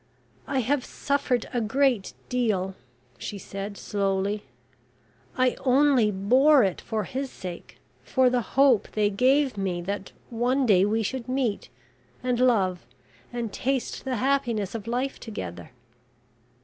"I have suffered a great deal," she said, slowly. "I only bore it for his sake for the hope they gave me that one day we should meet, and love, and taste the happiness of life together.